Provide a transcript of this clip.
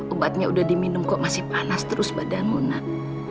obatnya udah diminum kok masih panas terus badanmu nak